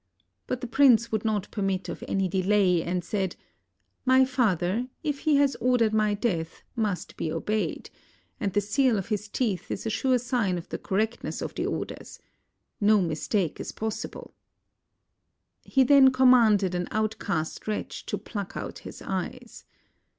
But the prince would not permit of any delay, and said: "My father, if he has ordered my death, must be obeyed; and the seal of his teeth is a sure sign of the correctness of the orders. No mistake is possible." He then commanded an outcast wretch to pluck out his eyes.